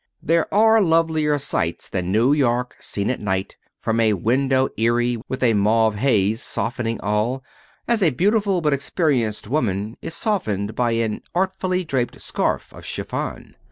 There are lovelier sights than New York seen at night, from a window eyrie with a mauve haze softening all, as a beautiful but experienced woman is softened by an artfully draped scarf of chiffon.